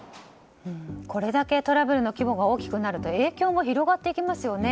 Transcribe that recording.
これだけトラブルの規模が大きくなると影響も広がっていきますよね。